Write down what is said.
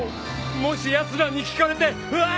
［もしやつらに聞かれてうわ！